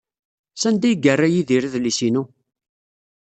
Sanda ay yerra Yidir adlis-inu?